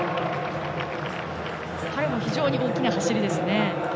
彼も非常に大きな走りですね。